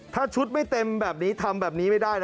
ถ้าชุดไม่เต็มแบบนี้ทำแบบนี้ไม่ได้นะ